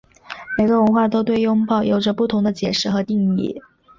每个文化都对拥抱有着不同的解释和定义。